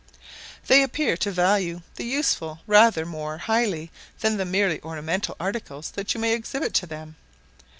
They appear to value the useful rather more highly than the merely ornamental articles that you may exhibit to them.